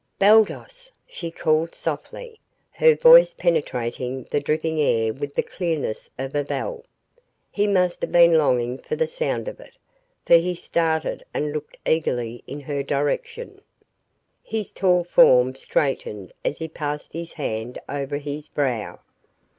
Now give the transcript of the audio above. "Baldos!" she called softly, her voice penetrating the dripping air with the clearness of a bell. He must have been longing for the sound of it, for he started and looked eagerly in her direction. His tall form straightened as he passed his hand over his brow.